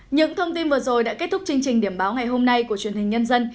những thông tin vừa rồi đã kết thúc chương trình điểm báo ngày hôm nay của truyền hình nhân dân